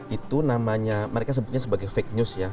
itu namanya mereka sebutnya sebagai fake news ya